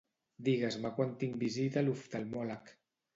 Digues-me quan tinc visita a l'oftalmòleg.